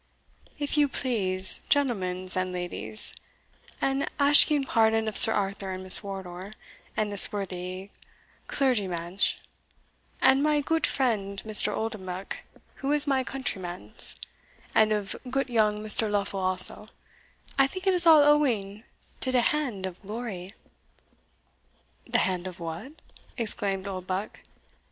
"If you pleashe, gentlemans and ladies, and ashking pardon of Sir Arthur and Miss Wardour, and this worthy clergymansh, and my goot friend Mr. Oldenbuck, who is my countrymansh, and of goot young Mr. Lofel also, I think it is all owing to de hand of glory." "The hand of what?" exclaimed Oldbuck.